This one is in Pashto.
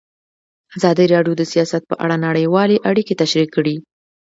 ازادي راډیو د سیاست په اړه نړیوالې اړیکې تشریح کړي.